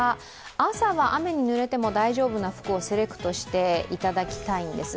朝は雨に濡れても大丈夫な服をセレクトしていただきたいんです。